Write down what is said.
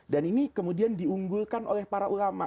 dan ini kemudian diunggulkan oleh para ulama